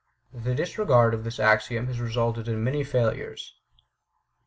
The disregard of this axiom has resulted in many failures.